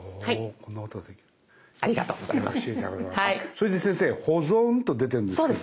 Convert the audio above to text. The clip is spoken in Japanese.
それで先生「保存」と出てるんですけど。